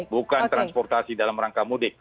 bukan transportasi dalam rangka mudik